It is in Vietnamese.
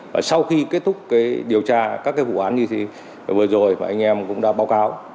và sau khi kết thúc cái điều tra các cái vụ án như vừa rồi và anh em cũng đã báo cáo